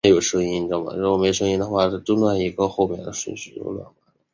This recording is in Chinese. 妮裳马戏团是布兰妮第六张专辑中妮裳马戏团的单曲。